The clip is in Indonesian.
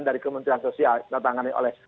dari kementerian sosial ditangani oleh